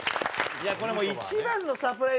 これもう一番のサプライズ。